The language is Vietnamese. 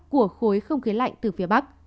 của khối không khí lạnh từ phía bắc